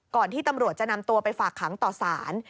ที่ตำรวจจะนำตัวไปฝากขังต่อสาร